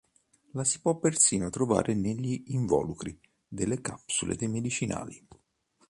La si può persino trovare negli involucri delle capsule dei medicinali.